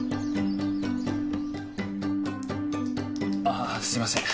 ああすいません！